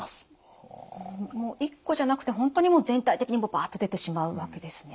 １個じゃなくて本当にもう全体的にバッと出てしまうわけですね。